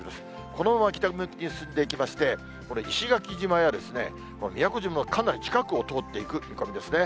このまま北向きに進んでいきまして、これ、石垣島や宮古島のかなり近くを通っていく見込みですね。